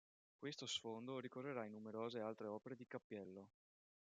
Questo sfondo ricorrerà in numerose altre opere di Cappiello.